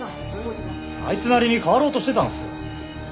あいつなりに変わろうとしてたんすよ。